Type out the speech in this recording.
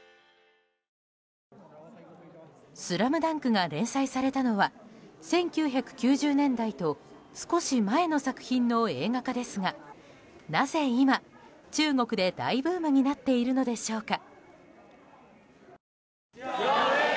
「ＳＬＡＭＤＵＮＫ」が連載されたのは１９９０年代と少し前の作品の映画化ですがなぜ今、中国で大ブームになっているのでしょうか。